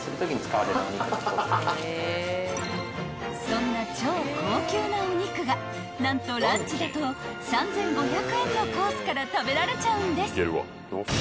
［そんな超高級なお肉が何とランチだと３，５００円のコースから食べられちゃうんです］